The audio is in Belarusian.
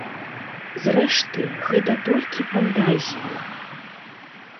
Зрэшты, гэта толькі фантазіі.